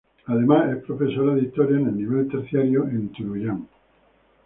Además, es profesora de Historia en el nivel terciario en Tunuyán.